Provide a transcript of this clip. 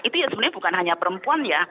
itu ya sebenarnya bukan hanya perempuan ya